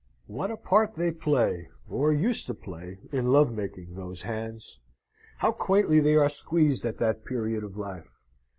What a part they play, or used to play, in love making, those hands! How quaintly they are squeezed at that period of life!